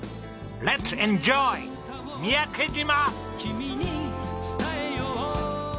レッツエンジョイ三宅島！